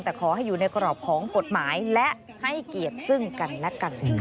แต่ขอให้อยู่ในกรอบของกฎหมายและให้เกียรติซึ่งกันและกันนะคะ